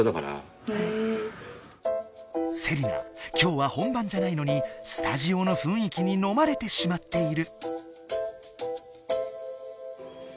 セリナきょうは本番じゃないのにスタジオのふんいきにのまれてしまっている。